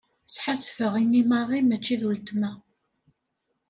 Sḥassfeɣ imi Mary mačči d uletma.